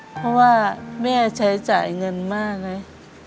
เพราะว่าแม่ใช้จ่ายเงินมากเลย